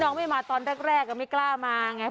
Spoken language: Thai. เขาจะเล่นคุณให้กันสิ